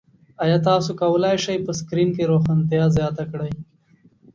ایا تاسو کولی شئ په سکرین کې روښانتیا زیاته کړئ؟